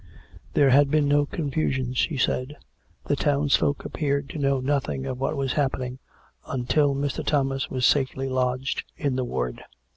There had been no confusion, she said; the townsfolk appeared to know nothing of what was happen ing until Mr. Thomas was safely lodged in the ward.